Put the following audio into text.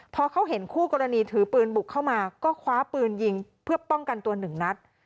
พอเขาเห็นคู่กรณีถือปืนบุกเข้ามาก็คว้าปืนยิงเพื่อป้องกันตัวหนึ่งนัด